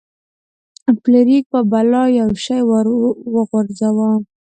فلیریک په بلا یو شی وغورځاوه.